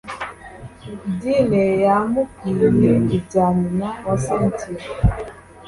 Dean yamubwiye ibya nyina wa Cynthia.